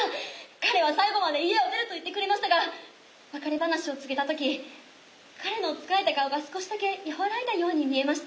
彼は最後まで家を出ると言ってくれましたが別れ話を告げた時彼の疲れた顔が少しだけ和らいだように見えました。